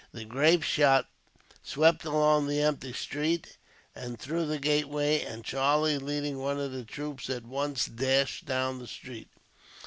The grapeshot swept along the empty street, and through the gateway; and Charlie, leading one of the troops, at once dashed down the street.